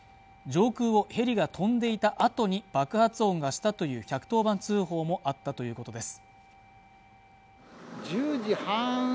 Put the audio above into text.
上空をヘリが飛んでいたあとに爆発音がしたという１１０番通報もあったということです